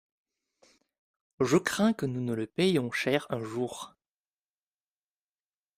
Je crains que nous ne le payions cher un jour.